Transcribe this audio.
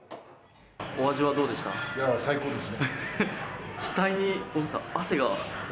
最高です。